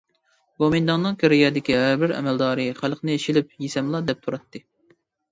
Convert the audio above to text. گومىنداڭنىڭ كېرىيەدىكى ھەربىر ئەمەلدارى خەلقنى شىلىپ يېسەملا دەپ تۇراتتى.